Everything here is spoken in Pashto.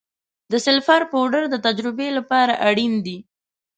د سلفر پوډر د تجربې لپاره اړین دی.